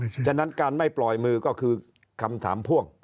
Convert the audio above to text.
ฉะนั้นการไม่ปล่อยมือก็คือคำถามพ่วง